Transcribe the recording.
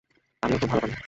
আমিও খুব ভালো পারি।